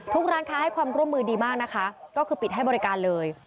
ร้านค้าให้ความร่วมมือดีมากนะคะก็คือปิดให้บริการเลย